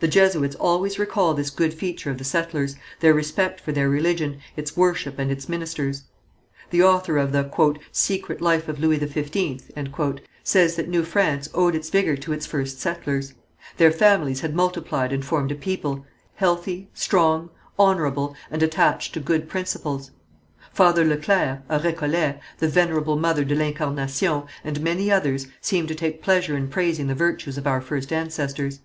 The Jesuits always recall this good feature of the settlers, their respect for their religion, its worship and its ministers. The author of the "Secret Life of Louis XV," says that New France owed its vigour to its first settlers; their families had multiplied and formed a people, healthy, strong, honourable, and attached to good principles. Father Le Clercq, a Récollet, the Venerable Mother de l'Incarnation, and many others, seem to take pleasure in praising the virtues of our first ancestors.